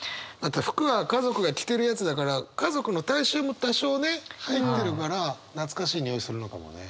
服は家族が着てるやつだから家族の体臭も多少ね入ってるから懐かしいにおいするのかもね。